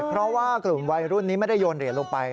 เพราะว่ากลุ่มวัยรุ่นนี้ไม่ได้โยนเหรียญลงไป